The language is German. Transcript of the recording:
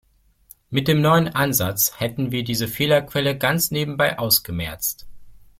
Mit dem neuen Ansatz hätten wir diese Fehlerquelle ganz nebenbei ausgemerzt.